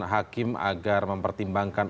hakim agar mempertimbangkan